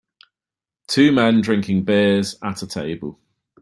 Two men drinking beers at a table